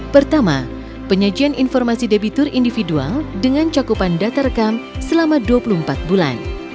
pertama penyajian informasi debitur individual dengan cakupan data rekam selama dua puluh empat bulan